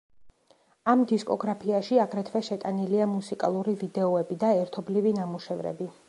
ამ დისკოგრაფიაში აგრეთვე შეტანილია მუსიკალური ვიდეოები და ერთობლივი ნამუშევრები.